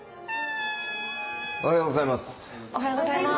おはようございます。